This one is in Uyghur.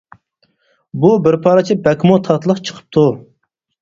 بۇ بىر پارچە بەكمۇ تاتلىق چىقىپتۇ.